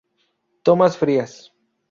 Tomas Frías.